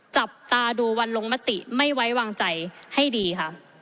จับตาดูวันลงมติไม่ไว้วางใจให้ดีค่ะ